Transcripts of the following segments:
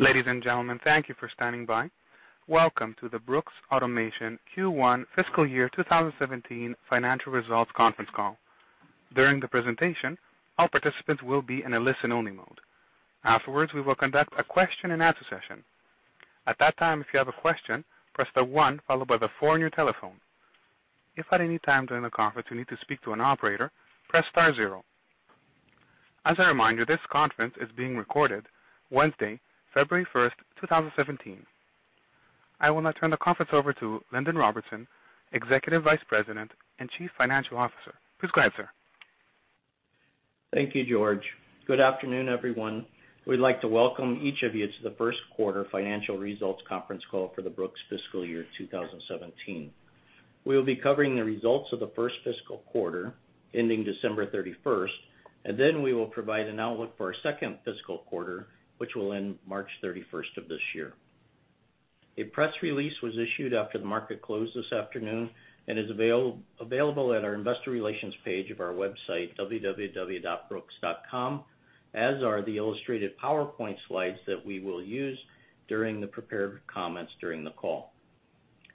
Ladies and gentlemen, thank you for standing by. Welcome to the Brooks Automation Q1 fiscal year 2017 financial results conference call. During the presentation, all participants will be in a listen-only mode. Afterwards, we will conduct a question and answer session. At that time, if you have a question, press the one followed by the four on your telephone. If at any time during the conference you need to speak to an operator, press star zero. As a reminder, this conference is being recorded Wednesday, February 1st, 2017. I will now turn the conference over to Lindon Robertson, Executive Vice President and Chief Financial Officer. Please go ahead, sir. Thank you, George. Good afternoon, everyone. We'd like to welcome each of you to the first quarter financial results conference call for the Brooks fiscal year 2017. We will be covering the results of the first fiscal quarter ending December 31st, and then we will provide an outlook for our second fiscal quarter, which will end March 31st of this year. A press release was issued after the market closed this afternoon and is available at our investor relations page of our website, www.brooks.com, as are the illustrated PowerPoint slides that we will use during the prepared comments during the call.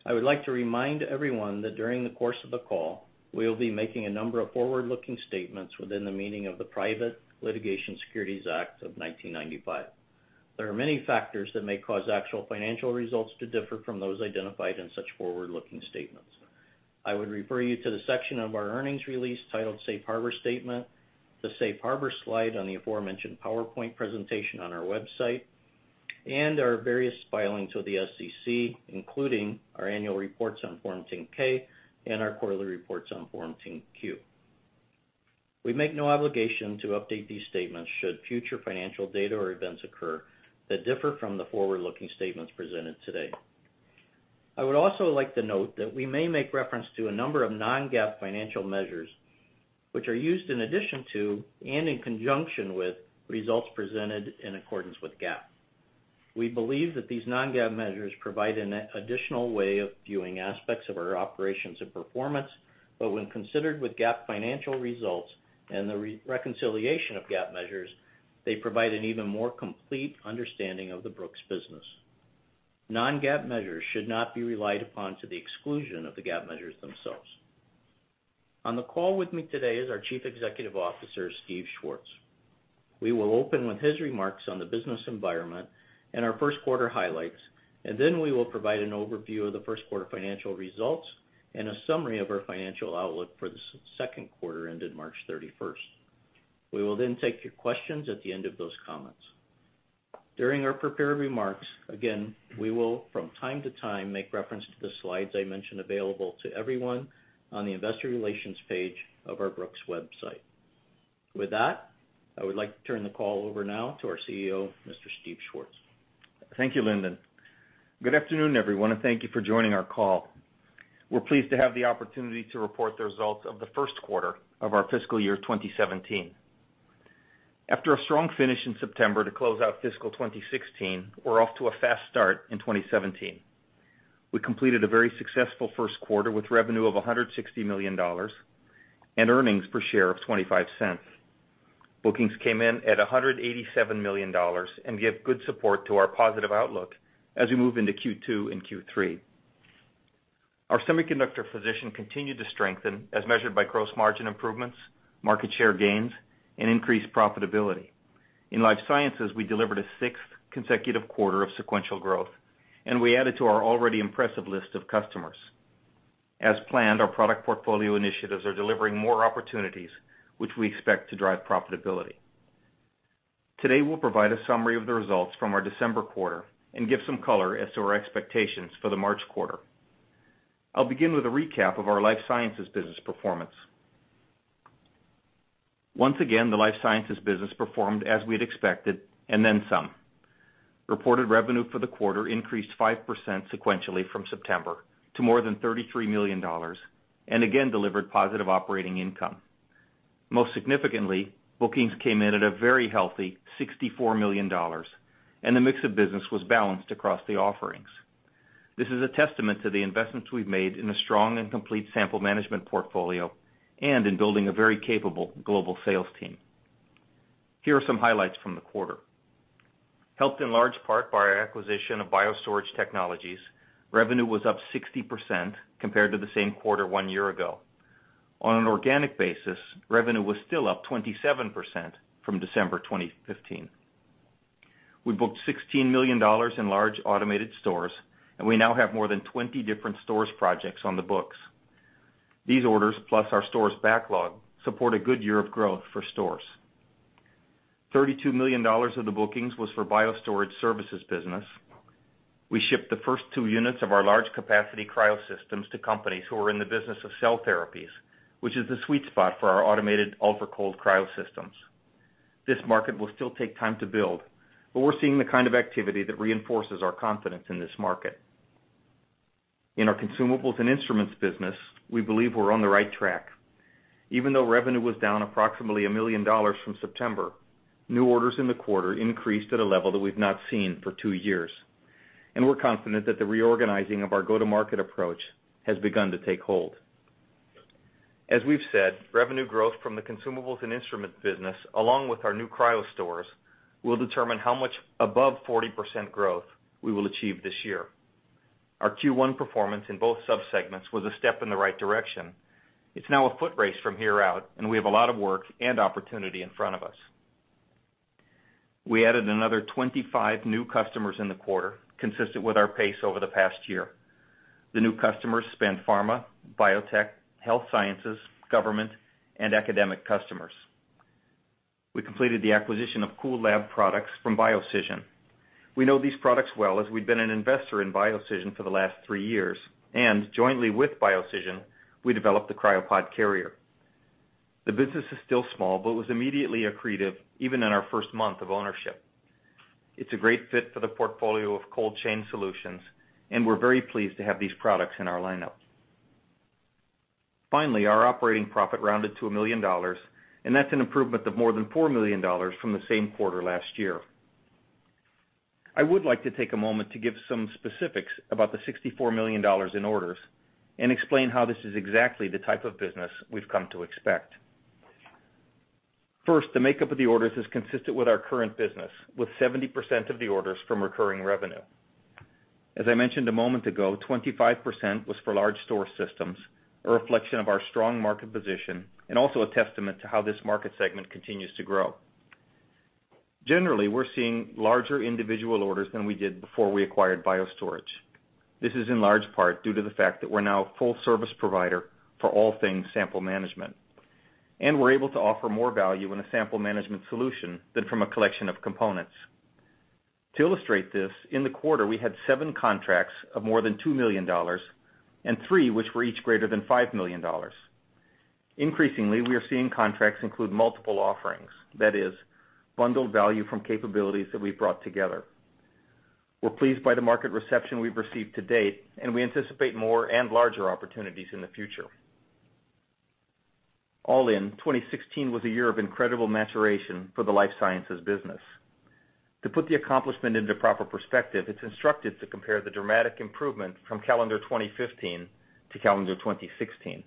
I would like to remind everyone that during the course of the call, we will be making a number of forward-looking statements within the meaning of the Private Securities Litigation Reform Act of 1995. There are many factors that may cause actual financial results to differ from those identified in such forward-looking statements. I would refer you to the section of our earnings release titled Safe Harbor Statement, the Safe Harbor slide on the aforementioned PowerPoint presentation on our website, and our various filings with the SEC, including our annual reports on Form 10-K and our quarterly reports on Form 10-Q. We make no obligation to update these statements should future financial data or events occur that differ from the forward-looking statements presented today. I would also like to note that we may make reference to a number of non-GAAP financial measures, which are used in addition to, and in conjunction with, results presented in accordance with GAAP. We believe that these non-GAAP measures provide an additional way of viewing aspects of our operations and performance. When considered with GAAP financial results and the reconciliation of GAAP measures, they provide an even more complete understanding of the Brooks business. Non-GAAP measures should not be relied upon to the exclusion of the GAAP measures themselves. On the call with me today is our Chief Executive Officer, Steve Schwartz. We will open with his remarks on the business environment and our first quarter highlights, and then we will provide an overview of the first quarter financial results and a summary of our financial outlook for the second quarter ended March 31st. We will then take your questions at the end of those comments. During our prepared remarks, again, we will, from time to time, make reference to the slides I mentioned available to everyone on the investor relations page of our Brooks website. With that, I would like to turn the call over now to our CEO, Mr. Steve Schwartz. Thank you, Lindon. Good afternoon, everyone, and thank you for joining our call. We're pleased to have the opportunity to report the results of the first quarter of our fiscal year 2017. After a strong finish in September to close out fiscal 2016, we're off to a fast start in 2017. We completed a very successful first quarter with revenue of $160 million and earnings per share of $0.25. Bookings came in at $187 million and give good support to our positive outlook as we move into Q2 and Q3. Our semiconductor position continued to strengthen as measured by gross margin improvements, market share gains, and increased profitability. In life sciences, we delivered a sixth consecutive quarter of sequential growth, and we added to our already impressive list of customers. As planned, our product portfolio initiatives are delivering more opportunities, which we expect to drive profitability. Today, we'll provide a summary of the results from our December quarter and give some color as to our expectations for the March quarter. I'll begin with a recap of our life sciences business performance. Once again, the life sciences business performed as we had expected and then some. Reported revenue for the quarter increased 5% sequentially from September to more than $33 million and again delivered positive operating income. Most significantly, bookings came in at a very healthy $64 million, and the mix of business was balanced across the offerings. This is a testament to the investments we've made in a strong and complete sample management portfolio and in building a very capable global sales team. Here are some highlights from the quarter. Helped in large part by our acquisition of BioStorage Technologies, revenue was up 60% compared to the same quarter one year ago. On an organic basis, revenue was still up 27% from December 2015. We booked $16 million in large automated stores, and we now have more than 20 different stores projects on the books. These orders, plus our stores backlog, support a good year of growth for stores. $32 million of the bookings was for BioStorage Services business. We shipped the first two units of our large capacity cryosystems to companies who are in the business of cell therapies, which is the sweet spot for our automated ultra-cold cryosystems. This market will still take time to build, but we're seeing the kind of activity that reinforces our confidence in this market. In our consumables and instruments business, we believe we're on the right track. Even though revenue was down approximately $1 million from September, new orders in the quarter increased at a level that we've not seen for 2 years. We're confident that the reorganizing of our go-to-market approach has begun to take hold. As we've said, revenue growth from the consumables and instrument business, along with our new cryo stores, will determine how much above 40% growth we will achieve this year. Our Q1 performance in both sub-segments was a step in the right direction. It's now a foot race from here out. We have a lot of work and opportunity in front of us. We added another 25 new customers in the quarter, consistent with our pace over the past year. The new customers span pharma, biotech, health sciences, government, and academic customers. We completed the acquisition of Cool Lab products from BioCision. We know these products well, as we'd been an investor in BioCision for the last 3 years. Jointly with BioCision, we developed the CryoPod carrier. The business is still small, but was immediately accretive even in our first month of ownership. It's a great fit for the portfolio of cold chain solutions. We're very pleased to have these products in our lineup. Finally, our operating profit rounded to $1 million. That's an improvement of more than $4 million from the same quarter last year. I would like to take a moment to give some specifics about the $64 million in orders and explain how this is exactly the type of business we've come to expect. First, the makeup of the orders is consistent with our current business, with 70% of the orders from recurring revenue. As I mentioned a moment ago, 25% was for large store systems, a reflection of our strong market position. Also a testament to how this market segment continues to grow. Generally, we're seeing larger individual orders than we did before we acquired BioStorage. This is in large part due to the fact that we're now a full service provider for all things sample management. We're able to offer more value in a sample management solution than from a collection of components. To illustrate this, in the quarter, we had seven contracts of more than $2 million and three which were each greater than $5 million. Increasingly, we are seeing contracts include multiple offerings. That is, bundled value from capabilities that we've brought together. We're pleased by the market reception we've received to date. We anticipate more and larger opportunities in the future. All in, 2016 was a year of incredible maturation for the life sciences business. To put the accomplishment into proper perspective, it's instructed to compare the dramatic improvement from calendar 2015 to calendar 2016.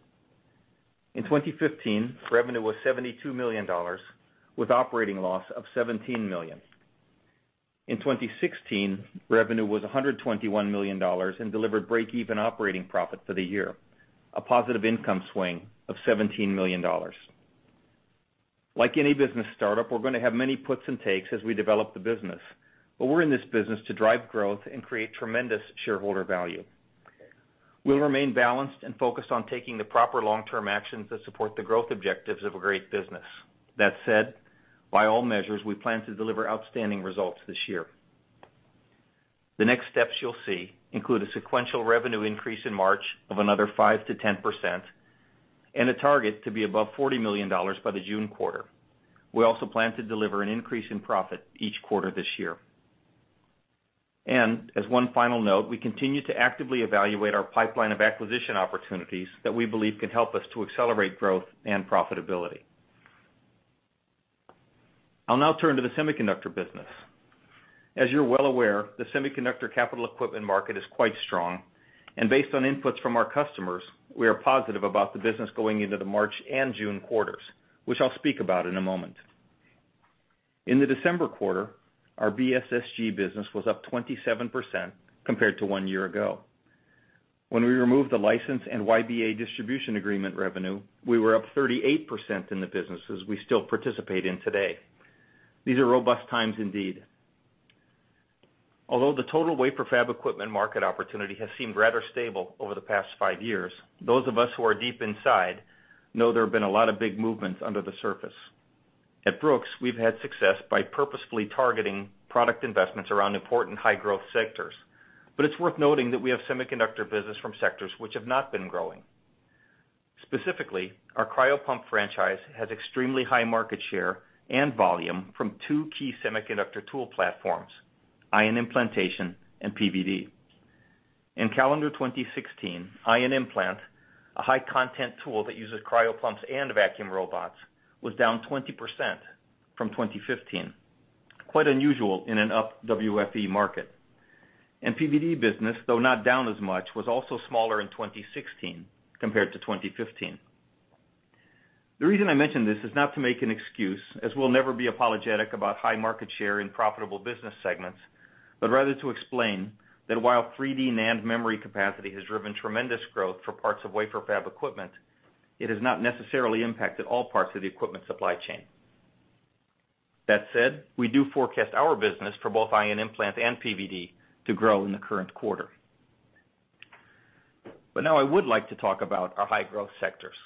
In 2015, revenue was $72 million with operating loss of $17 million. In 2016, revenue was $121 million and delivered break-even operating profit for the year, a positive income swing of $17 million. Like any business startup, we're going to have many puts and takes as we develop the business. We're in this business to drive growth and create tremendous shareholder value. We'll remain balanced and focused on taking the proper long-term actions that support the growth objectives of a great business. That said, by all measures, we plan to deliver outstanding results this year. The next steps you'll see include a sequential revenue increase in March of another 5%-10% and a target to be above $40 million by the June quarter. We also plan to deliver an increase in profit each quarter this year. As one final note, we continue to actively evaluate our pipeline of acquisition opportunities that we believe can help us to accelerate growth and profitability. I'll now turn to the semiconductor business. As you're well aware, the semiconductor capital equipment market is quite strong, and based on inputs from our customers, we are positive about the business going into the March and June quarters, which I'll speak about in a moment. In the December quarter, our BSSG business was up 27% compared to one year ago. When we removed the license and YBA distribution agreement revenue, we were up 38% in the businesses we still participate in today. These are robust times indeed. Although the total wafer fab equipment market opportunity has seemed rather stable over the past five years, those of us who are deep inside know there have been a lot of big movements under the surface. At Brooks, we've had success by purposefully targeting product investments around important high-growth sectors. It's worth noting that we have semiconductor business from sectors which have not been growing. Specifically, our cryo pump franchise has extremely high market share and volume from two key semiconductor tool platforms, ion implantation and PVD. In calendar 2016, ion implant, a high content tool that uses cryo pumps and vacuum robots, was down 20% from 2015. Quite unusual in an up WFE market. PVD business, though not down as much, was also smaller in 2016 compared to 2015. The reason I mention this is not to make an excuse, as we'll never be apologetic about high market share in profitable business segments, but rather to explain that while 3D NAND memory capacity has driven tremendous growth for parts of wafer fab equipment, it has not necessarily impacted all parts of the equipment supply chain. That said, we do forecast our business for both ion implant and PVD to grow in the current quarter. Now I would like to talk about our high growth sectors.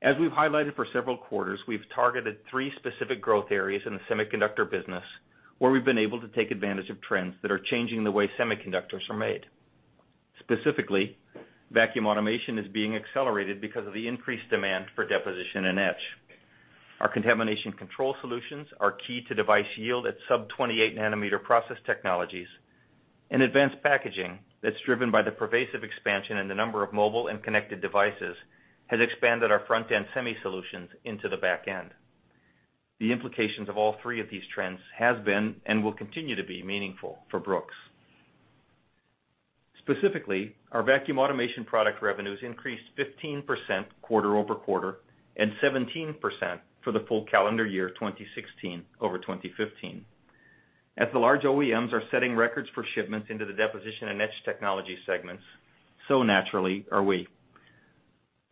As we've highlighted for several quarters, we've targeted three specific growth areas in the semiconductor business, where we've been able to take advantage of trends that are changing the way semiconductors are made. Specifically, vacuum automation is being accelerated because of the increased demand for deposition and etch. Our Contamination Control Solutions are key to device yield at sub 28 nanometer process technologies. Advanced packaging that's driven by the pervasive expansion in the number of mobile and connected devices has expanded our front-end semi solutions into the back end. The implications of all three of these trends has been and will continue to be meaningful for Brooks. Specifically, our vacuum automation product revenues increased 15% quarter-over-quarter, and 17% for the full calendar year 2016 over 2015. As the large OEMs are setting records for shipments into the deposition and etch technology segments, so naturally are we.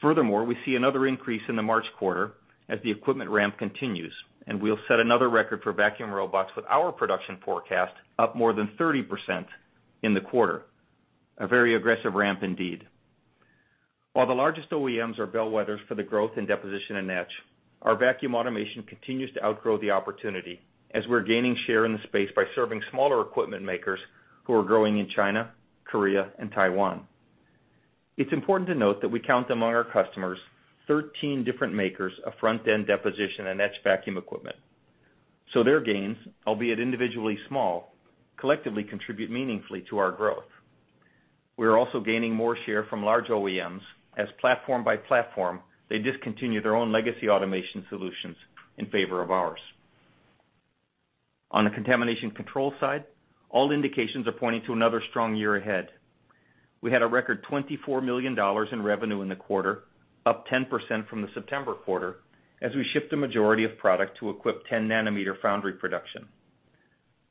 Furthermore, we see another increase in the March quarter as the equipment ramp continues, and we'll set another record for vacuum robots with our production forecast up more than 30% in the quarter. A very aggressive ramp indeed. While the largest OEMs are bellwethers for the growth in deposition and etch, our vacuum automation continues to outgrow the opportunity as we're gaining share in the space by serving smaller equipment makers who are growing in China, Korea, and Taiwan. It's important to note that we count among our customers 13 different makers of front-end deposition and etch vacuum equipment. Their gains, albeit individually small, collectively contribute meaningfully to our growth. We are also gaining more share from large OEMs as platform by platform, they discontinue their own legacy automation solutions in favor of ours. On the contamination control side, all indications are pointing to another strong year ahead. We had a record $24 million in revenue in the quarter, up 10% from the September quarter, as we shipped a majority of product to equip 10 nanometer foundry production.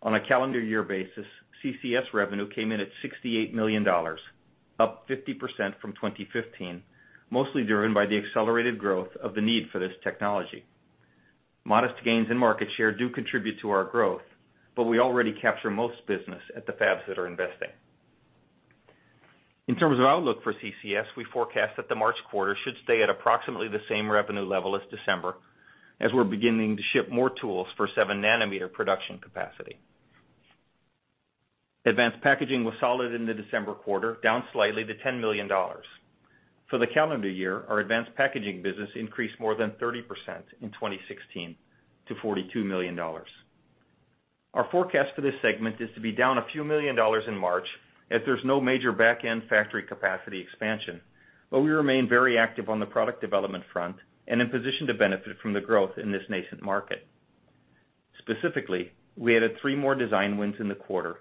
On a calendar year basis, CCS revenue came in at $68 million, up 50% from 2015, mostly driven by the accelerated growth of the need for this technology. Modest gains in market share do contribute to our growth, but we already capture most business at the fabs that are investing. In terms of outlook for CCS, we forecast that the March quarter should stay at approximately the same revenue level as December, as we're beginning to ship more tools for seven nanometer production capacity. Advanced packaging was solid in the December quarter, down slightly to $10 million. For the calendar year, our advanced packaging business increased more than 30% in 2016 to $42 million. Our forecast for this segment is to be down a few million dollars in March as there's no major back-end factory capacity expansion, but we remain very active on the product development front and in position to benefit from the growth in this nascent market. Specifically, we added three more design wins in the quarter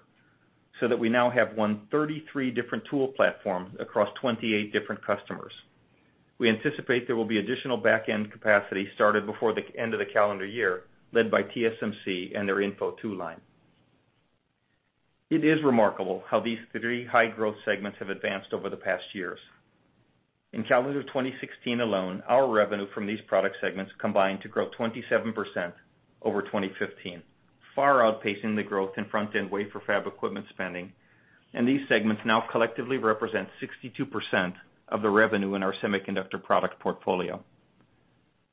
so that we now have won 33 different tool platforms across 28 different customers. We anticipate there will be additional back-end capacity started before the end of the calendar year, led by TSMC and their Info 2 line. It is remarkable how these three high-growth segments have advanced over the past years. In calendar 2016 alone, our revenue from these product segments combined to grow 27% over 2015, far outpacing the growth in front-end wafer fab equipment spending, and these segments now collectively represent 62% of the revenue in our semiconductor product portfolio.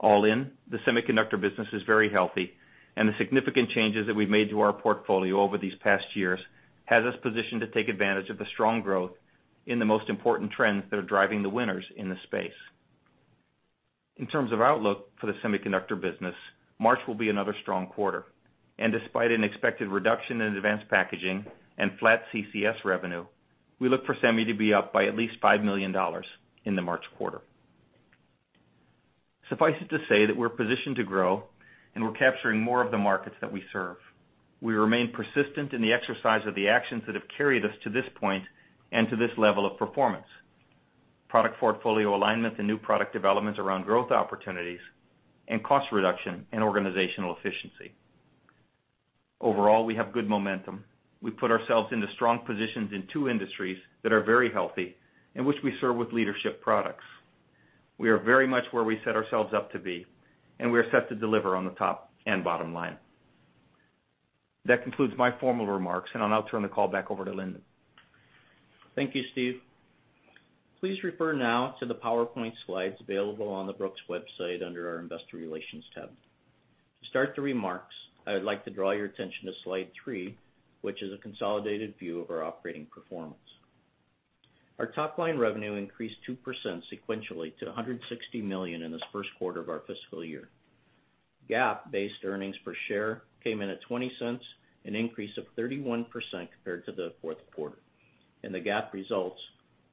All in, the semiconductor business is very healthy, and the significant changes that we've made to our portfolio over these past years has us positioned to take advantage of the strong growth in the most important trends that are driving the winners in this space. In terms of outlook for the semiconductor business, March will be another strong quarter, and despite an expected reduction in advanced packaging and flat CCS revenue, we look for semi to be up by at least $5 million in the March quarter. Suffice it to say that we're positioned to grow, and we're capturing more of the markets that we serve. We remain persistent in the exercise of the actions that have carried us to this point and to this level of performance. Product portfolio alignment and new product developments around growth opportunities, and cost reduction and organizational efficiency. Overall, we have good momentum. We've put ourselves into strong positions in two industries that are very healthy and which we serve with leadership products. We are very much where we set ourselves up to be, and we are set to deliver on the top and bottom line. That concludes my formal remarks, and I'll now turn the call back over to Lindon. Thank you, Steve. Please refer now to the PowerPoint slides available on the Brooks website under our investor relations tab. To start the remarks, I would like to draw your attention to slide three, which is a consolidated view of our operating performance. Our top-line revenue increased 2% sequentially to $160 million in this first quarter of our fiscal year. GAAP-based earnings per share came in at $0.20, an increase of 31% compared to the fourth quarter. In the GAAP results,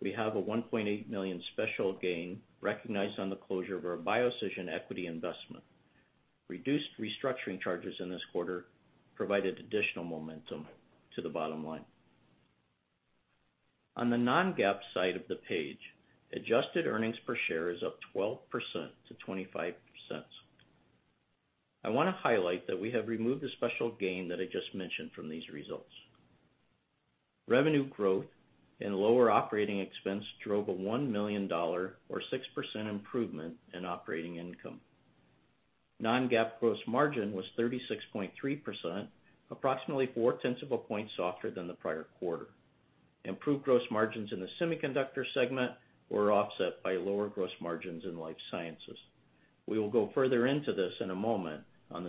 we have a $1.8 million special gain recognized on the closure of our BioCision equity investment. Reduced restructuring charges in this quarter provided additional momentum to the bottom line. On the non-GAAP side of the page, adjusted earnings per share is up 12% to $0.25. I want to highlight that we have removed the special gain that I just mentioned from these results. Revenue growth and lower operating expense drove a $1 million, or 6% improvement in operating income. non-GAAP gross margin was 36.3%, approximately four tenths of a point softer than the prior quarter. Improved gross margins in the semiconductor segment were offset by lower gross margins in life sciences. An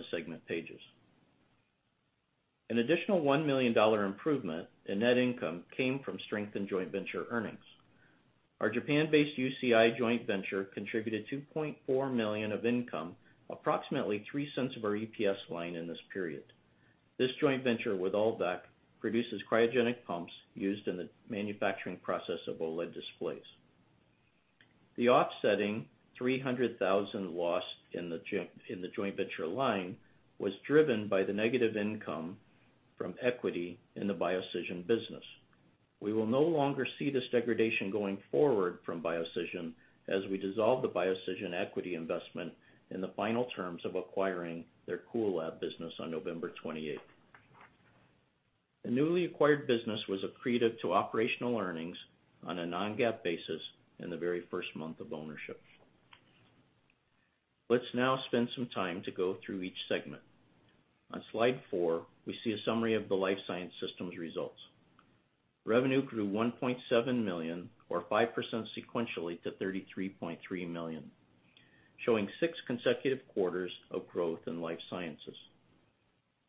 additional $1 million improvement in net income came from strengthened joint venture earnings. Our Japan-based UCI joint venture contributed $2.4 million of income, approximately $0.03 of our EPS line in this period. This joint venture with Ulvac produces cryogenic pumps used in the manufacturing process of OLED displays. The offsetting $300,000 loss in the joint venture line was driven by the negative income from equity in the BioCision business. We will no longer see this degradation going forward from BioCision as we dissolve the BioCision equity investment in the final terms of acquiring their Cool Lab business on November 28th. The newly acquired business was accretive to operational earnings on a non-GAAP basis in the very first month of ownership. Let's now spend some time to go through each segment. On slide four, we see a summary of the life science systems results. Revenue grew $1.7 million or 5% sequentially to $33.3 million, showing six consecutive quarters of growth in life sciences.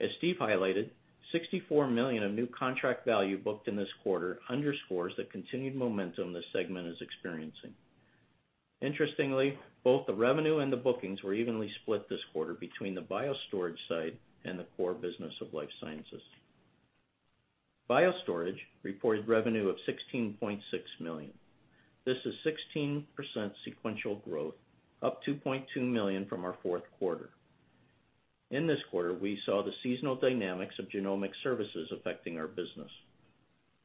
As Steve highlighted, $64 million of new contract value booked in this quarter underscores the continued momentum this segment is experiencing. Interestingly, both the revenue and the bookings were evenly split this quarter between the BioStorage side and the core business of life sciences. BioStorage reported revenue of $16.6 million. This is 16% sequential growth, up $2.2 million from our fourth quarter. In this quarter, we saw the seasonal dynamics of genomic services affecting our business.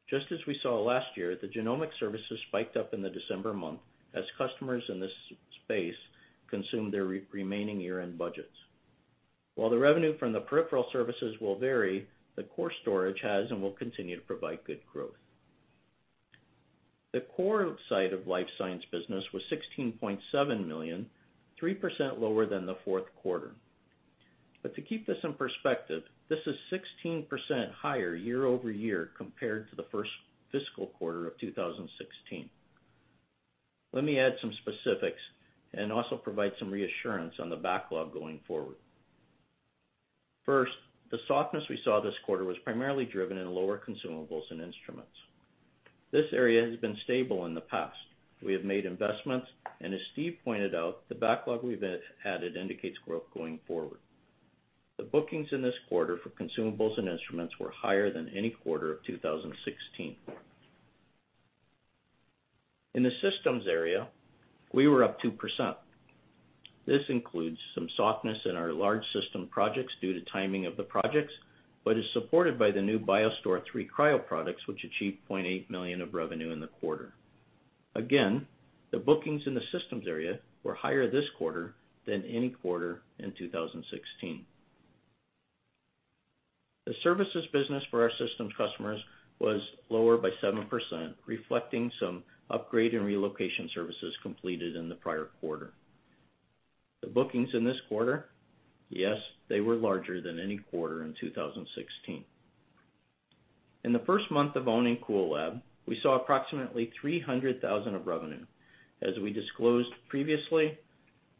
Just as we saw last year, the genomic services spiked up in the December month as customers in this space consumed their remaining year-end budgets. While the revenue from the peripheral services will vary, the core storage has and will continue to provide good growth. The core site of life science business was $16.7 million, 3% lower than the fourth quarter. To keep this in perspective, this is 16% higher year-over-year compared to the first fiscal quarter of 2016. Let me add some specifics and also provide some reassurance on the backlog going forward. First, the softness we saw this quarter was primarily driven in lower consumables and instruments. This area has been stable in the past. We have made investments. As Steve pointed out, the backlog we've added indicates growth going forward. The bookings in this quarter for consumables and instruments were higher than any quarter of 2016. In the systems area, we were up 2%. This includes some softness in our large system projects due to timing of the projects, but is supported by the new BioStore III Cryo products, which achieved $0.8 million of revenue in the quarter. Again, the bookings in the systems area were higher this quarter than any quarter in 2016. The services business for our systems customers was lower by 7%, reflecting some upgrade and relocation services completed in the prior quarter. The bookings in this quarter, yes, they were larger than any quarter in 2016. In the first month of owning Cool Lab, we saw approximately $300,000 of revenue. As we disclosed previously,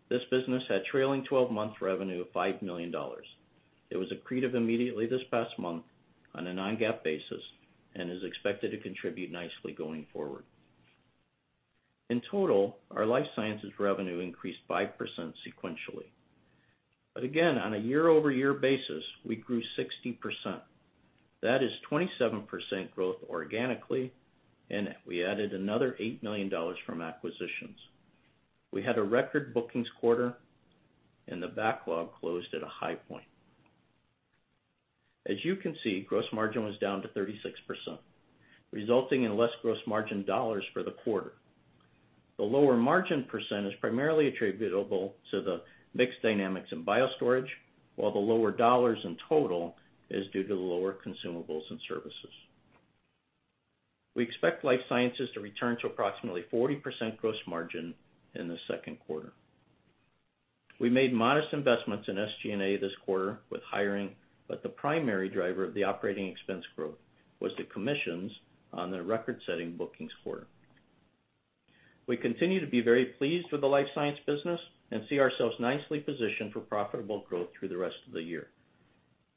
this business had trailing 12-month revenue of $5 million. It was accretive immediately this past month on a non-GAAP basis and is expected to contribute nicely going forward. In total, our life sciences revenue increased 5% sequentially. Again, on a year-over-year basis, we grew 60%. That is 27% growth organically, and we added another $8 million from acquisitions. We had a record bookings quarter, and the backlog closed at a high point. As you can see, gross margin was down to 36%, resulting in less gross margin dollars for the quarter. The lower margin percent is primarily attributable to the mix dynamics in BioStorage, while the lower dollars in total is due to the lower consumables and services. We expect life sciences to return to approximately 40% gross margin in the second quarter. We made modest investments in SG&A this quarter with hiring. The primary driver of the operating expense growth was the commissions on the record-setting bookings quarter. We continue to be very pleased with the life science business and see ourselves nicely positioned for profitable growth through the rest of the year.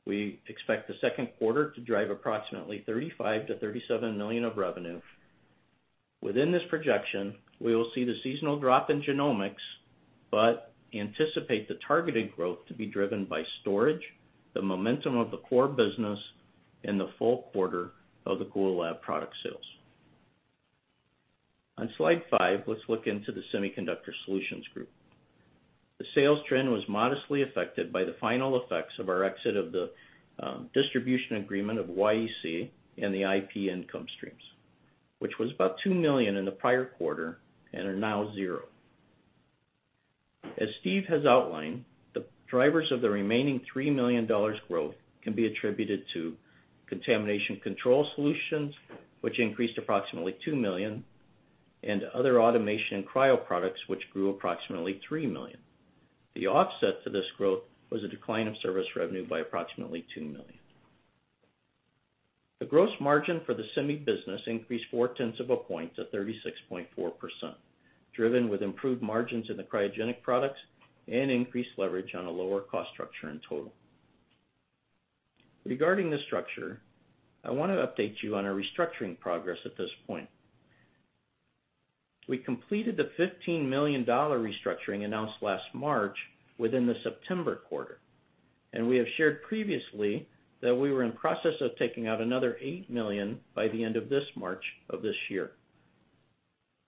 We expect the second quarter to drive approximately $35 million-$37 million of revenue. Within this projection, we will see the seasonal drop in genomics, but anticipate the targeted growth to be driven by storage, the momentum of the core business, and the full quarter of the Cool Lab product sales. On slide five, let's look into the Semiconductor Solutions Group. The sales trend was modestly affected by the final effects of our exit of the distribution agreement of YEC and the IP income streams, which was about $2 million in the prior quarter and are now zero. As Steve has outlined, the drivers of the remaining $3 million growth can be attributed to Contamination Control Solutions, which increased approximately $2 million, and other automation cryo products, which grew approximately $3 million. The offset to this growth was a decline of service revenue by approximately $2 million. The gross margin for the semi business increased four tenths of a point to 36.4%, driven with improved margins in the cryogenic products and increased leverage on a lower cost structure in total. Regarding the structure, I want to update you on our restructuring progress at this point. We completed the $15 million restructuring announced last March within the September quarter. We have shared previously that we were in process of taking out another $8 million by the end of this March of this year.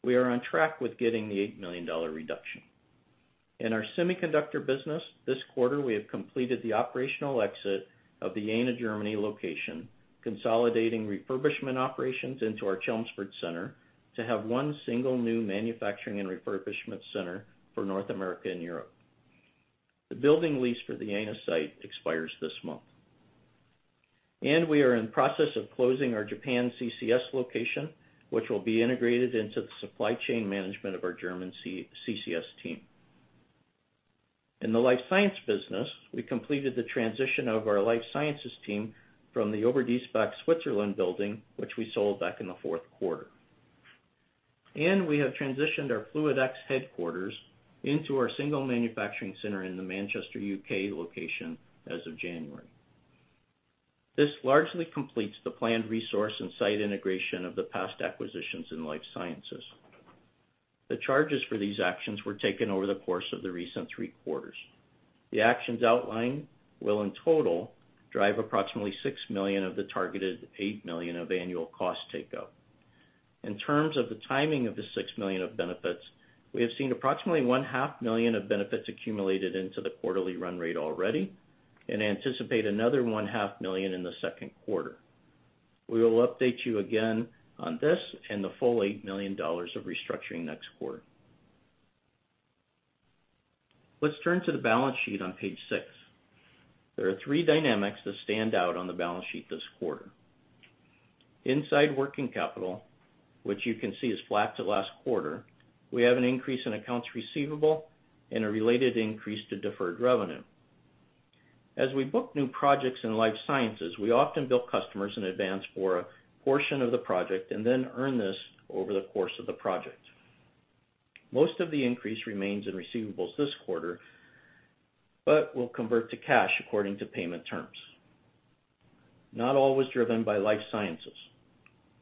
We are on track with getting the $8 million reduction. In our semiconductor business this quarter, we have completed the operational exit of the Jena, Germany location, consolidating refurbishment operations into our Chelmsford center to have one single new manufacturing and refurbishment center for North America and Europe. The building lease for the Jena site expires this month. We are in process of closing our Japan CCS location, which will be integrated into the supply chain management of our German CCS team. In the life science business, we completed the transition of our life sciences team from the Oberdiessbach, Switzerland building, which we sold back in the fourth quarter. We have transitioned our FluidX headquarters into our single manufacturing center in the Manchester, U.K. location as of January. This largely completes the planned resource and site integration of the past acquisitions in life sciences. The charges for these actions were taken over the course of the recent three quarters. The actions outlined will in total drive approximately $6 million of the targeted $8 million of annual cost takeup. In terms of the timing of the $6 million of benefits, we have seen approximately one-half million of benefits accumulated into the quarterly run rate already and anticipate another one-half million in the second quarter. We will update you again on this and the full $8 million of restructuring next quarter. Let's turn to the balance sheet on page six. There are three dynamics that stand out on the balance sheet this quarter. Inside working capital, which you can see is flat to last quarter, we have an increase in accounts receivable and a related increase to deferred revenue. As we book new projects in life sciences, we often bill customers in advance for a portion of the project and then earn this over the course of the project. Most of the increase remains in receivables this quarter, but will convert to cash according to payment terms. Not all was driven by life sciences.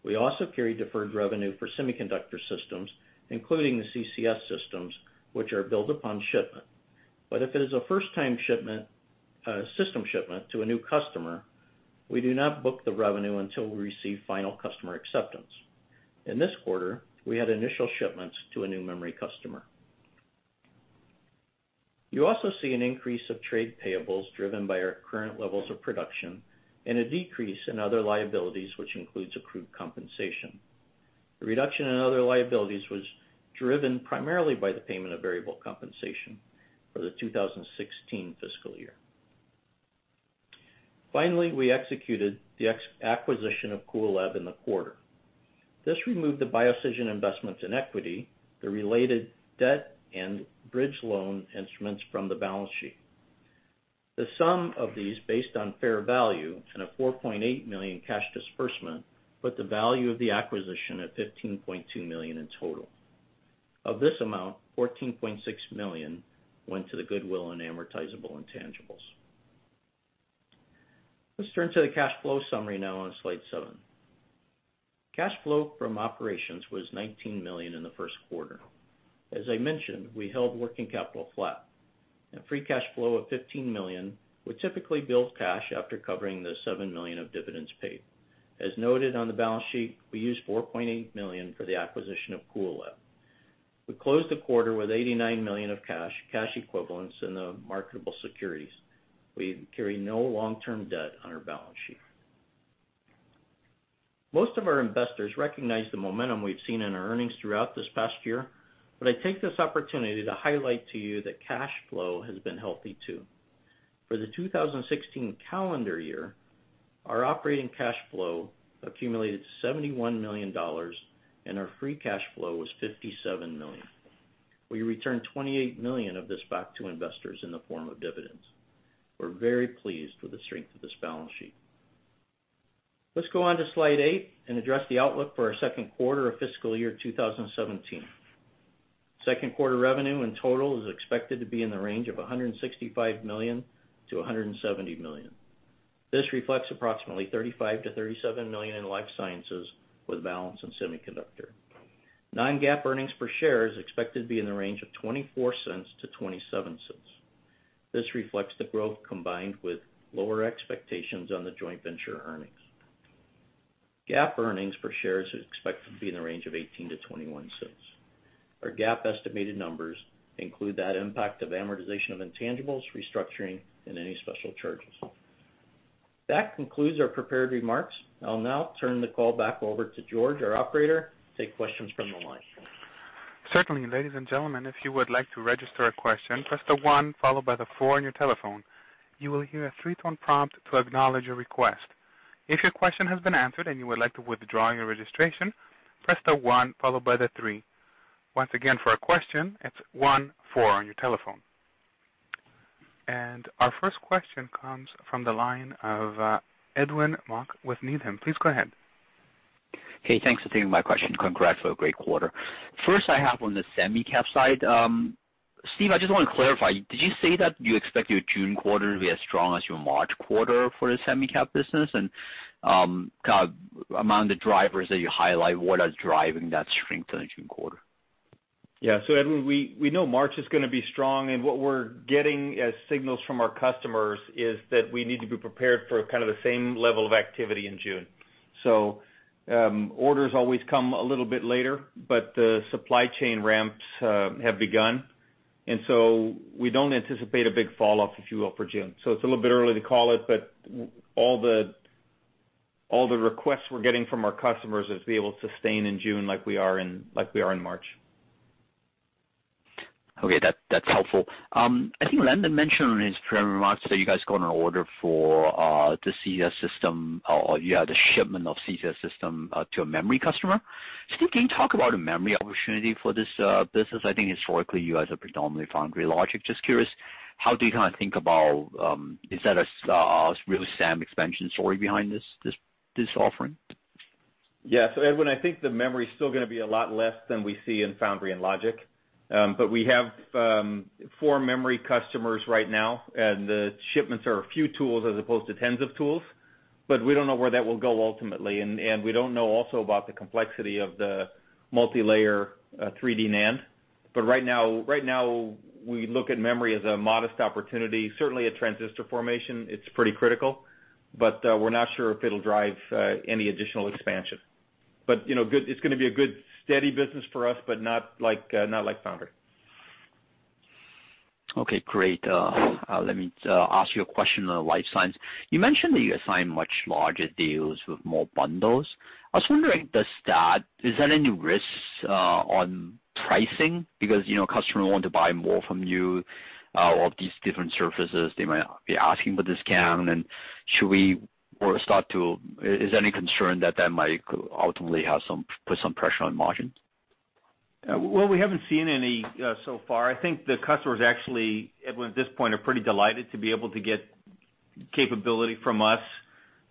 We also carry deferred revenue for semiconductor systems, including the CCS systems, which are billed upon shipment. If it is a first-time system shipment to a new customer, we do not book the revenue until we receive final customer acceptance. In this quarter, we had initial shipments to a new memory customer. You also see an increase of trade payables driven by our current levels of production and a decrease in other liabilities, which includes accrued compensation. The reduction in other liabilities was driven primarily by the payment of variable compensation for the 2016 fiscal year. Finally, we executed the acquisition of Cool Lab in the quarter. This removed the BioCision investments in equity, the related debt, and bridge loan instruments from the balance sheet. The sum of these, based on fair value and a $4.8 million cash disbursement, put the value of the acquisition at $15.2 million in total. Of this amount, $14.6 million went to the goodwill and amortizable intangibles. Let's turn to the cash flow summary now on slide seven. Cash flow from operations was $19 million in the first quarter. As I mentioned, we held working capital flat. A free cash flow of $15 million would typically build cash after covering the $7 million of dividends paid. As noted on the balance sheet, we used $4.8 million for the acquisition of Cool Lab. We closed the quarter with $89 million of cash equivalents in the marketable securities. We carry no long-term debt on our balance sheet. Most of our investors recognize the momentum we've seen in our earnings throughout this past year, but I take this opportunity to highlight to you that cash flow has been healthy, too. For the 2016 calendar year, our operating cash flow accumulated to $71 million, and our free cash flow was $57 million. We returned $28 million of this back to investors in the form of dividends. We're very pleased with the strength of this balance sheet. Let's go on to slide eight and address the outlook for our second quarter of fiscal year 2017. Second quarter revenue in total is expected to be in the range of $165 million-$170 million. This reflects approximately $35 million-$37 million in life sciences, with balance in semiconductor. Non-GAAP earnings per share is expected to be in the range of $0.24-$0.27. This reflects the growth combined with lower expectations on the joint venture earnings. GAAP earnings per share is expected to be in the range of $0.18-$0.21. Our GAAP estimated numbers include that impact of amortization of intangibles, restructuring, and any special charges. That concludes our prepared remarks. I'll now turn the call back over to George, our operator, to take questions from the line. Certainly. Ladies and gentlemen, if you would like to register a question, press the one followed by the four on your telephone. You will hear a three-tone prompt to acknowledge your request. If your question has been answered and you would like to withdraw your registration, press the one followed by the three. Once again, for a question, it's one, four on your telephone. Our first question comes from the line of, Edwin Mok with Needham. Please go ahead. Hey, thanks for taking my question. Congrats for a great quarter. First, I have on the semi cap side. Steve, I just want to clarify, did you say that you expect your June quarter to be as strong as your March quarter for the semi cap business? Among the drivers that you highlight, what are driving that strength in the June quarter? Edwin, we know March is going to be strong, and what we're getting as signals from our customers is that we need to be prepared for kind of the same level of activity in June. Orders always come a little bit later, but the supply chain ramps have begun, we don't anticipate a big falloff, if you will, for June. It's a little bit early to call it, all the requests we're getting from our customers is to be able to sustain in June like we are in March. Okay. That's helpful. I think Lindon mentioned in his prepared remarks that you guys got an order for the CCS system, or you had a shipment of CCS system to a memory customer. Steve, can you talk about a memory opportunity for this business? I think historically, you guys are predominantly foundry and logic. Just curious, how do you kind of think about, is that a real SAM expansion story behind this offering? Edwin, I think the memory is still going to be a lot less than we see in foundry and logic. We have four memory customers right now, and the shipments are a few tools as opposed to tens of tools. We don't know where that will go ultimately. We don't know also about the complexity of the multilayer 3D NAND. Right now, we look at memory as a modest opportunity. Certainly, at transistor formation, it's pretty critical, but we're not sure if it'll drive any additional expansion. It's going to be a good, steady business for us, but not like foundry. Okay, great. Let me ask you a question on the life science. You mentioned that you assign much larger deals with more bundles. I was wondering, is that any risk on pricing? Because customers want to buy more from you, all of these different services, they might be asking for discount. Is there any concern that that might ultimately put some pressure on margin? Well, we haven't seen any so far. I think the customers actually, Edwin, at this point, are pretty delighted to be able to get capability from us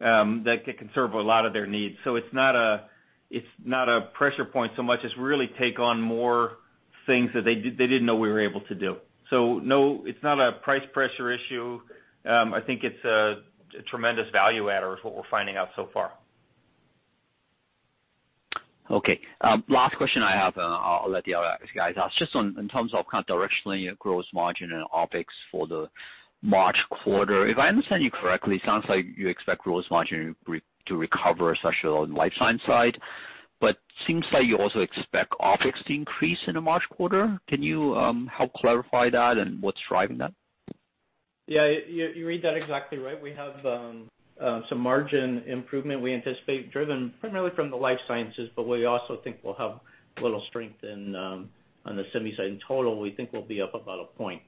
that can serve a lot of their needs. It's not a pressure point so much as really take on more things that they didn't know we were able to do. No, it's not a price pressure issue. I think it's a tremendous value adder is what we're finding out so far. Okay. Last question I have, I'll let the other guys ask, just in terms of kind of directionally gross margin and OpEx for the March quarter. If I understand you correctly, it sounds like you expect gross margin to recover, especially on life science side. It seems like you also expect OpEx to increase in the March quarter. Can you help clarify that and what's driving that? Yeah, you read that exactly right. We have some margin improvement we anticipate, driven primarily from the life sciences. We also think we'll have a little strength on the semi side. In total, we think we'll be up about a point.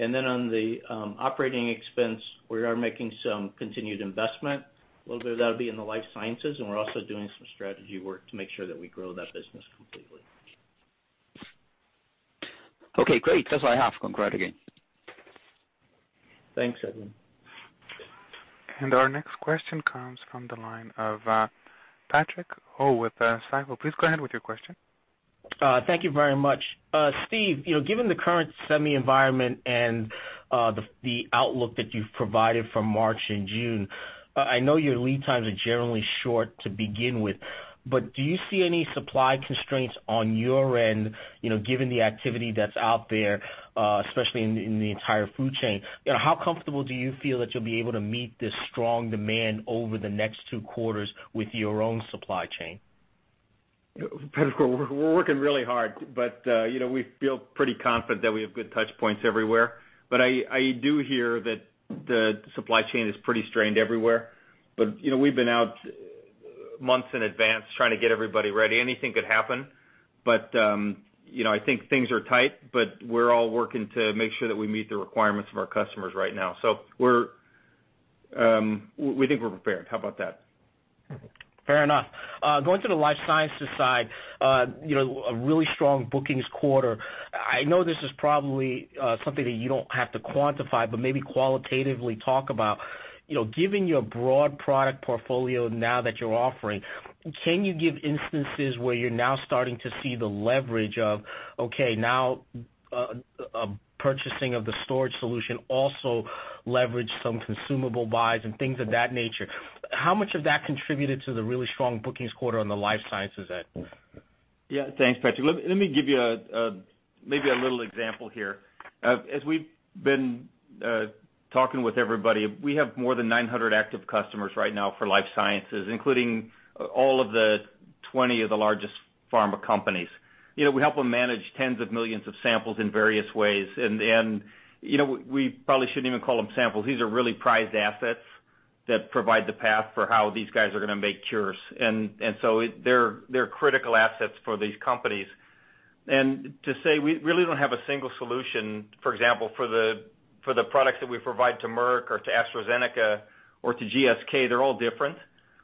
On the operating expense, we are making some continued investment. A little bit of that'll be in the life sciences, and we're also doing some strategy work to make sure that we grow that business completely. Okay, great. That's all I have. Congrats again. Thanks, Edwin. Our next question comes from the line of Patrick Ho with Stifel. Please go ahead with your question. Thank you very much. Steve, given the current semi environment and the outlook that you've provided for March and June, I know your lead times are generally short to begin with. Do you see any supply constraints on your end, given the activity that's out there, especially in the entire food chain? How comfortable do you feel that you'll be able to meet this strong demand over the next two quarters with your own supply chain? Patrick, we're working really hard, we feel pretty confident that we have good touchpoints everywhere. I do hear that the supply chain is pretty strained everywhere. We've been out months in advance trying to get everybody ready. Anything could happen. I think things are tight, we're all working to make sure that we meet the requirements of our customers right now. We think we're prepared. How about that? Fair enough. Going to the life sciences side, a really strong bookings quarter. I know this is probably something that you don't have to quantify, but maybe qualitatively talk about. Given your broad product portfolio now that you're offering, can you give instances where you're now starting to see the leverage of, okay, now purchasing of the storage solution also leverage some consumable buys and things of that nature. How much of that contributed to the really strong bookings quarter on the life sciences end? Thanks, Patrick. Let me give you maybe a little example here. As we've been talking with everybody, we have more than 900 active customers right now for life sciences, including all of the 20 of the largest pharma companies. We help them manage tens of millions of samples in various ways, we probably shouldn't even call them samples. These are really prized assets that provide the path for how these guys are going to make cures. They're critical assets for these companies. To say we really don't have a single solution, for example, for the products that we provide to Merck or to AstraZeneca or to GSK, they're all different,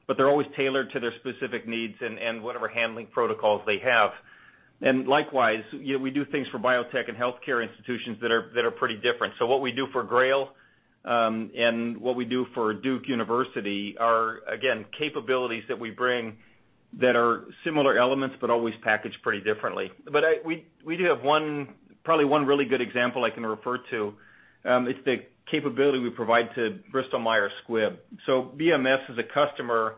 but they're always tailored to their specific needs and whatever handling protocols they have. Likewise, we do things for biotech and healthcare institutions that are pretty different. What we do for Grail, and what we do for Duke University are, again, capabilities that we bring that are similar elements, but always packaged pretty differently. We do have probably one really good example I can refer to. It's the capability we provide to Bristol Myers Squibb. BMS is a customer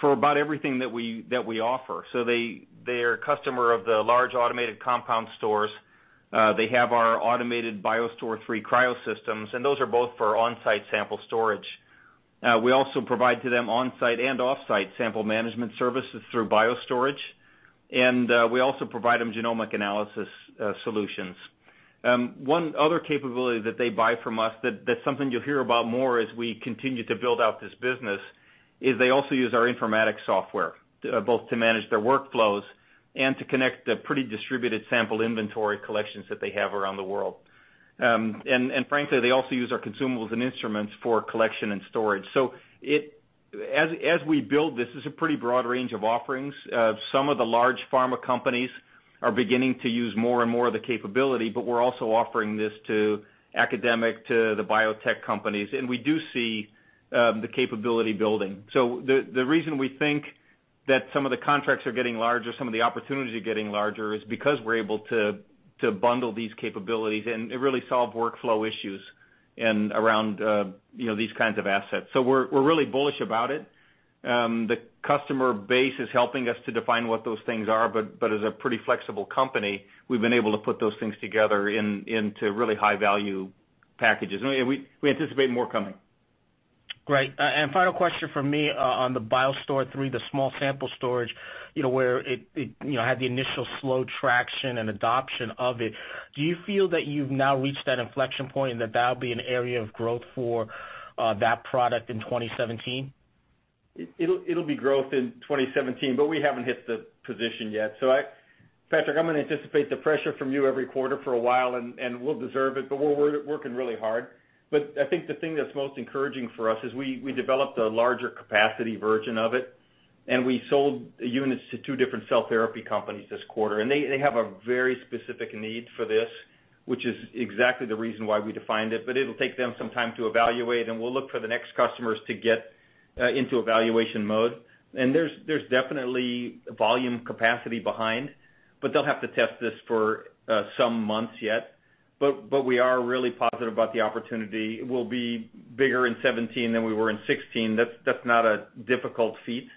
for about everything that we offer. They are a customer of the large automated compound stores. They have our automated BioStore III Cryo systems, and those are both for onsite sample storage. We also provide to them onsite and offsite sample management services through BioStorage, we also provide them genomic analysis solutions. One other capability that they buy from us that's something you'll hear about more as we continue to build out this business, is they also use our informatics software, both to manage their workflows and to connect the pretty distributed sample inventory collections that they have around the world. Frankly, they also use our consumables and instruments for collection and storage. As we build this, it's a pretty broad range of offerings. Some of the large pharma companies are beginning to use more and more of the capability, but we're also offering this to academic, to the biotech companies, and we do see the capability building. The reason we think that some of the contracts are getting larger, some of the opportunities are getting larger, is because we're able to bundle these capabilities and really solve workflow issues around these kinds of assets. We're really bullish about it. The customer base is helping us to define what those things are, but as a pretty flexible company, we've been able to put those things together into really high-value packages, and we anticipate more coming. Great. Final question from me on the BioStore III, the small sample storage, where it had the initial slow traction and adoption of it, do you feel that you've now reached that inflection point and that that'll be an area of growth for that product in 2017? It'll be growth in 2017, but we haven't hit the position yet. Patrick, I'm going to anticipate the pressure from you every quarter for a while, and we'll deserve it, but we're working really hard. I think the thing that's most encouraging for us is we developed a larger capacity version of it, and we sold units to two different cell therapy companies this quarter, and they have a very specific need for this, which is exactly the reason why we defined it, but it'll take them some time to evaluate, and we'll look for the next customers to get into evaluation mode. There's definitely volume capacity behind, but they'll have to test this for some months yet. We are really positive about the opportunity. We'll be bigger in 2017 than we were in 2016. That's not a difficult feat.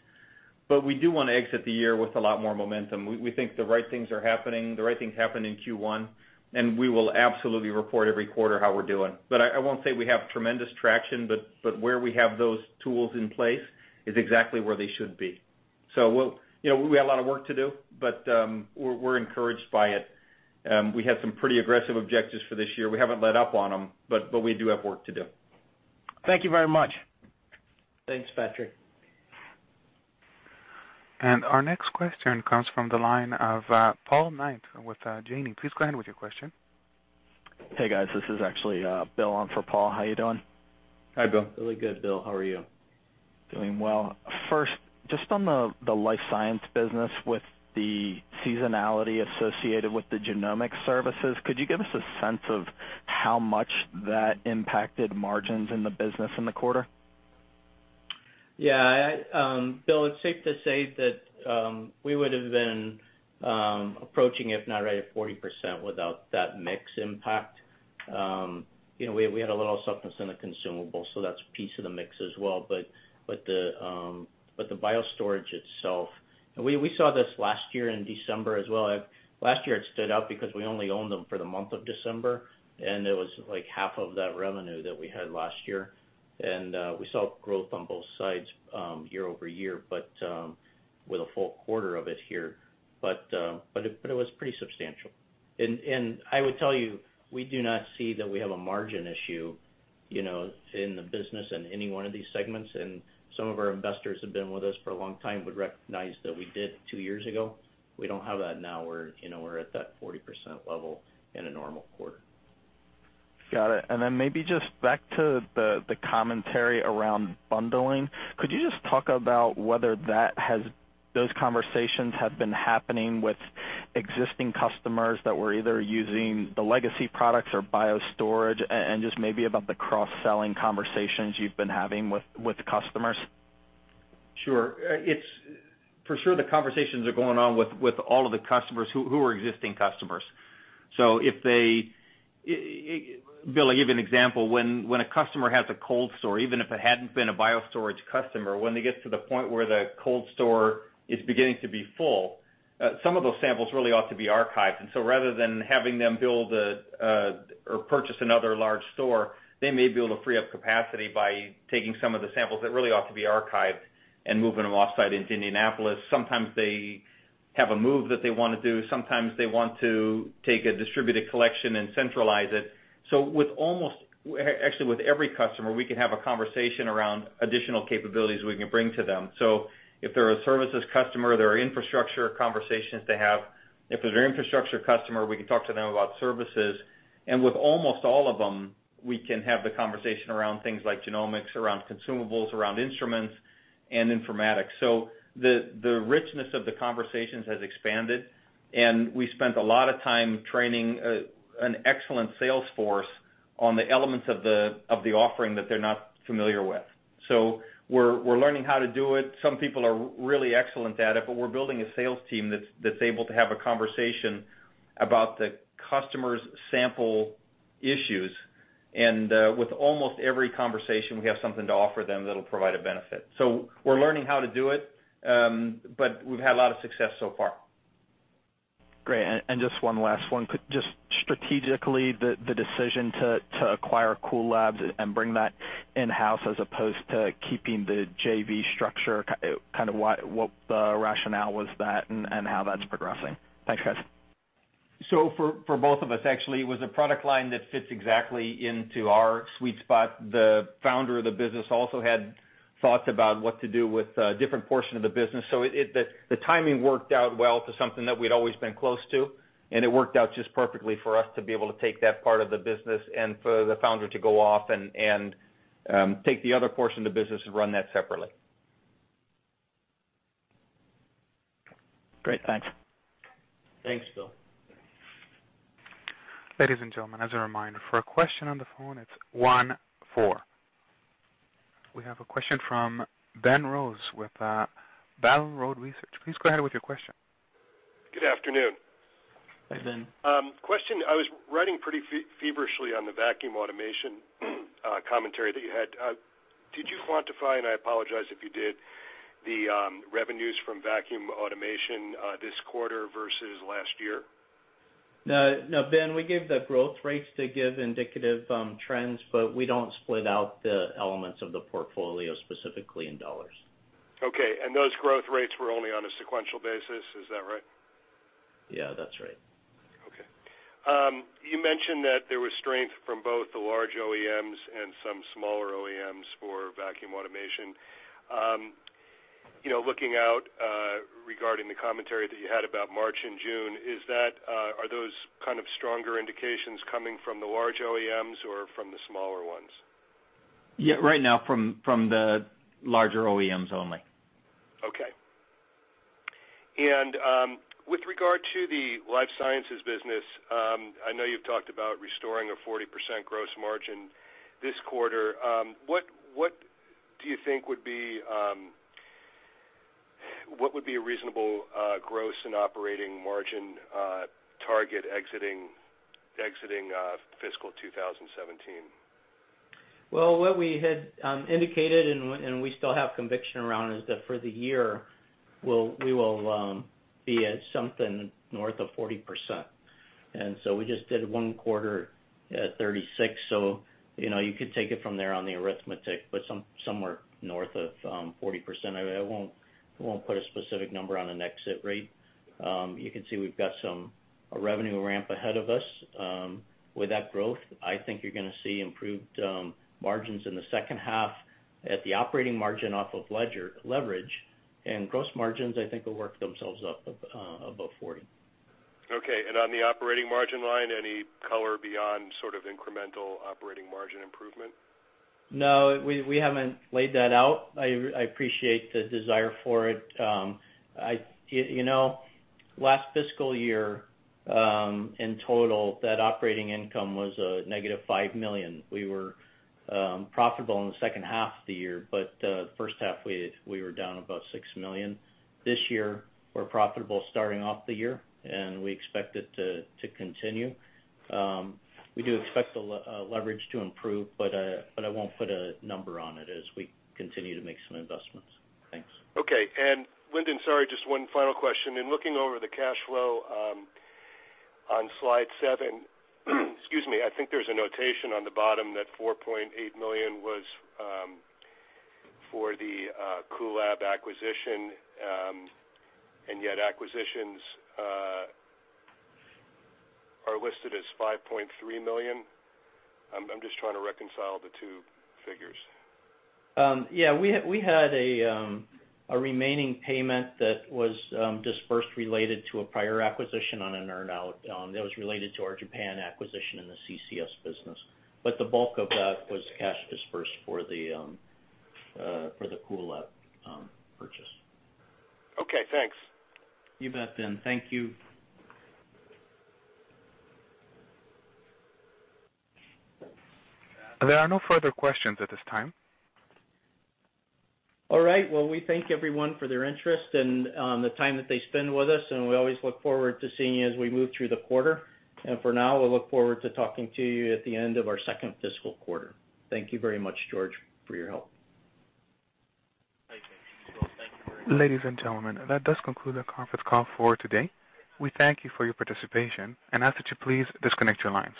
We do want to exit the year with a lot more momentum. We think the right things are happening. The right things happened in Q1. We will absolutely report every quarter how we're doing. I won't say we have tremendous traction, but where we have those tools in place is exactly where they should be. We have a lot of work to do, but we're encouraged by it. We had some pretty aggressive objectives for this year. We haven't let up on them, but we do have work to do. Thank you very much. Thanks, Patrick. Our next question comes from the line of Paul Knight with Janney. Please go ahead with your question. Hey, guys. This is actually Bill on for Paul. How you doing? Hi, Bill. Really good, Bill. How are you? Doing well. First, just on the life science business with the seasonality associated with the genomic services, could you give us a sense of how much that impacted margins in the business in the quarter? Yeah, Bill, it's safe to say that we would have been approaching, if not right at 40% without that mix impact. We had a little softness in the consumables, so that's a piece of the mix as well, but the BioStorage itself, we saw this last year in December as well. Last year, it stood out because we only owned them for the month of December, and it was half of that revenue that we had last year. We saw growth on both sides year-over-year, but with a full quarter of it here. It was pretty substantial. I would tell you, we do not see that we have a margin issue in the business in any one of these segments. Some of our investors have been with us for a long time, would recognize that we did two years ago. We don't have that now. We're at that 40% level in a normal quarter. Got it. Maybe just back to the commentary around bundling, could you just talk about whether those conversations have been happening with existing customers that were either using the legacy products or BioStorage, and just maybe about the cross-selling conversations you've been having with customers? Sure. For sure, the conversations are going on with all of the customers who are existing customers. Bill, I'll give you an example. When a customer has a cold store, even if it hadn't been a BioStorage customer, when they get to the point where the cold store is beginning to be full, some of those samples really ought to be archived. Rather than having them build or purchase another large store, they may be able to free up capacity by taking some of the samples that really ought to be archived and moving them offsite into Indianapolis. Sometimes they have a move that they want to do. Sometimes they want to take a distributed collection and centralize it. Actually with every customer, we can have a conversation around additional capabilities we can bring to them. If they're a services customer, there are infrastructure conversations to have. If they're an infrastructure customer, we can talk to them about services. With almost all of them, we can have the conversation around things like genomics, around consumables, around instruments, and informatics. The richness of the conversations has expanded, and we spent a lot of time training an excellent sales force on the elements of the offering that they're not familiar with. We're learning how to do it. Some people are really excellent at it, but we're building a sales team that's able to have a conversation about the customer's sample issues. With almost every conversation, we have something to offer them that'll provide a benefit. We're learning how to do it, but we've had a lot of success so far. Great. Just one last one. Just strategically, the decision to acquire Cool Lab and bring that in-house as opposed to keeping the JV structure, kind of what the rationale was that and how that's progressing? Thanks, guys. For both of us, actually, it was a product line that fits exactly into our sweet spot. The founder of the business also had thoughts about what to do with a different portion of the business. The timing worked out well to something that we'd always been close to, and it worked out just perfectly for us to be able to take that part of the business and for the founder to go off and take the other portion of the business and run that separately. Great, thanks. Thanks, Bill. Ladies and gentlemen, as a reminder, for a question on the phone, it's one four. We have a question from Ben Rose with Battle Road Research. Please go ahead with your question. Good afternoon. Hi, Ben. Question, I was writing pretty feverishly on the vacuum automation commentary that you had. Did you quantify, and I apologize if you did, the revenues from vacuum automation this quarter versus last year? No, Ben, we gave the growth rates to give indicative trends, but we don't split out the elements of the portfolio specifically in dollars. Okay. Those growth rates were only on a sequential basis, is that right? Yeah, that's right. Okay. You mentioned that there was strength from both the large OEMs and some smaller OEMs for vacuum automation. Looking out, regarding the commentary that you had about March and June, are those kind of stronger indications coming from the large OEMs or from the smaller ones? Yeah, right now, from the larger OEMs only. Okay. With regard to the life sciences business, I know you've talked about restoring a 40% gross margin this quarter. What would be a reasonable gross and operating margin target exiting fiscal 2017? Well, what we had indicated and we still have conviction around is that for the year, we will be at something north of 40%. We just did one quarter at 36%, so you could take it from there on the arithmetic, but somewhere north of 40%. I won't put a specific number on an exit rate. You can see we've got a revenue ramp ahead of us. With that growth, I think you're going to see improved margins in the second half at the operating margin off of leverage. Gross margins, I think, will work themselves up above 40%. Okay. On the operating margin line, any color beyond sort of incremental operating margin improvement? No, we haven't laid that out. I appreciate the desire for it. Last fiscal year, in total, that operating income was a negative $5 million. We were profitable in the second half of the year, but the first half, we were down about $6 million. This year, we're profitable starting off the year, and we expect it to continue. We do expect the leverage to improve, but I won't put a number on it as we continue to make some investments. Thanks. Okay. Lindon, sorry, just one final question. In looking over the cash flow on slide seven, excuse me, I think there's a notation on the bottom that $4.8 million was for the Cool Lab acquisition, and yet acquisitions are listed as $5.3 million. I'm just trying to reconcile the two figures. Yeah, we had a remaining payment that was dispersed related to a prior acquisition on an earn-out that was related to our Japan acquisition in the CCS business. The bulk of that was cash dispersed for the Cool Lab purchase. Okay, thanks. You bet, Ben. Thank you. There are no further questions at this time. Well, we thank everyone for their interest and the time that they spend with us, we always look forward to seeing you as we move through the quarter. For now, we'll look forward to talking to you at the end of our second fiscal quarter. Thank you very much, George, for your help. Thank you. Thank you very much. Ladies and gentlemen, that does conclude our conference call for today. We thank you for your participation and ask that you please disconnect your lines.